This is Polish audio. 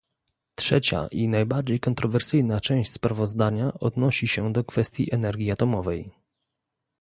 Trzecia i najbardziej kontrowersyjna część sprawozdania odnosi się do kwestii energii atomowej